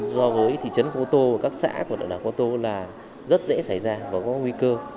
do với thị trấn cô tô và các xã của đảo cô tô là rất dễ xảy ra và có nguy cơ